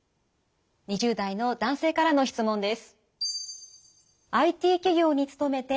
２０代の男性からの質問です。